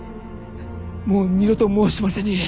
もう二度と申しませぬゆえ！